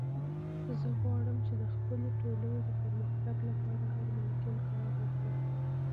زه غواړم چې د خپلې ټولنې د پرمختګ لپاره هر ممکن کار وکړم